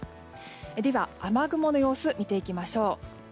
では、雨雲の様子を見ていきましょう。